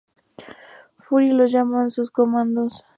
Fury los llama sus "Comandos".